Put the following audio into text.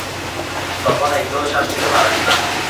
তখন একদমই শ্বাস নিতে পারেন না।